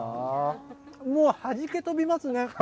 もうはじけとびますね。